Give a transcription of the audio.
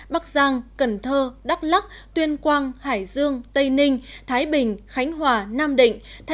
bắc giang cần thơ đắk lắc tuyên quang hải dương tây ninh thái bình khánh hòa nam định